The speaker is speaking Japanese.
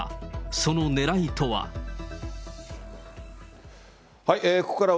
そのねらいとは。